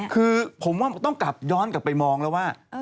คือผมว่าต้องกลับย้อนกลับไปมองแล้วว่า